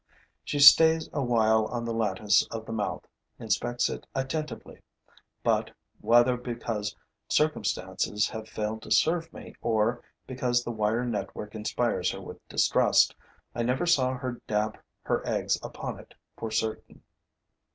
She stays a while on the lattice of the mouth, inspects it attentively; but, whether because circumstances have failed to serve me, or because the wire network inspires her with distrust, I never saw her dab her eggs upon it for certain.